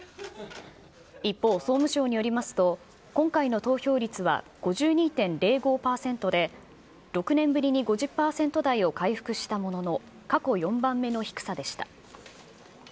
一方、総務省によりますと、今回の投票率は５２．０５％で、６年ぶりに５０％台を回復したものの、過去４番目の低さでした。